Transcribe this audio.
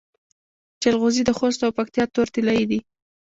جلغوزي د خوست او پکتیا تور طلایی دي